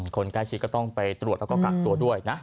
คนใกล้ชิดก็ต้องไปตรวจแล้วก็กักตัวด้วยนะ